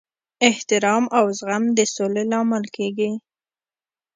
احترام او زغم د سولې لامل کیږي.